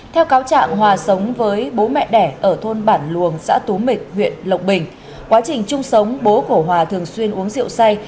theo cáo trạng hòa sống với bố mẹ đẻ ở thôn bản luồng xã tú mịch huyện lộc bình quá trình chung sống bố của hòa thường xuyên uống rượu say